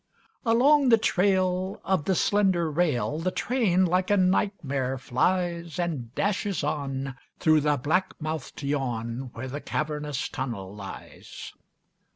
Along the trail Of the slender rail The train, like a nightmare, flies And dashes on Through the black mouthed yawn Where the cavernous tunnel lies.